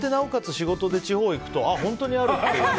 仕事で地方行くと本当にあるっていう。